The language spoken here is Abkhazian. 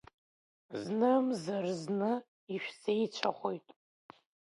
Знымзар зны ишәзеицәахоит.